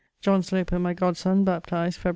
John Sloper, my godson, baptized Feb.